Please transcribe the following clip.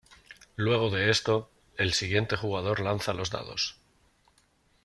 Luego de eso, el siguiente jugador lanza los dados.